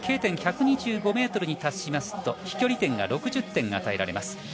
Ｋ点１２５ｍに達しますと飛距離点が６０点与えられます。